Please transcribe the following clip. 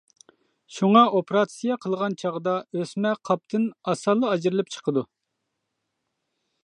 شۇڭا ئوپېراتسىيە قىلغان چاغدا ئۆسمە قاپتىن ئاسانلا ئاجرىلىپ چىقىدۇ.